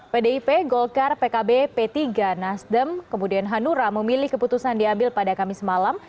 pdip golkar pkb p tiga nasdem kemudian hanura memilih keputusan diambil pada kamis malam